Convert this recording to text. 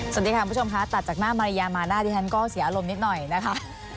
สวัสดีค่ะคุณผู้ชมค่ะตัดจากหน้ามารยามาหน้าดิฉันก็เสียอารมณ์นิดหน่อยนะคะ